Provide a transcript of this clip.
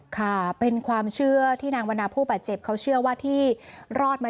ค่ะเป็นความเชื่อที่นางวันนาผู้บาดเจ็บเขาเชื่อว่าที่รอดมา